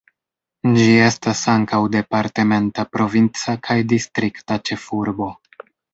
Ĝi estas ankaŭ departementa, provinca kaj distrikta ĉefurbo.